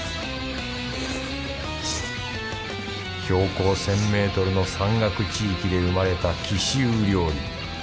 標高 １，０００ｍ の山岳地域で生まれた貴州料理。